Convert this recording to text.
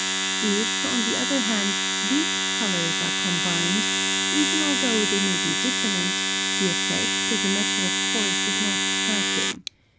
If, on the other hand, weak colours are combined, even although they may be dissonant, the effect, as a matter of course, is not striking.